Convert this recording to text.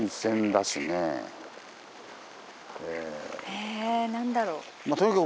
え何だろう。